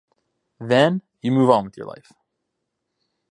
Then, you move on with your life.